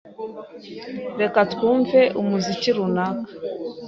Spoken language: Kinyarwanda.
Reka twumve umuziki runaka.